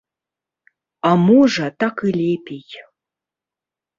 А можа, так і лепей.